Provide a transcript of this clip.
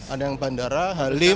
ada yang bandara halim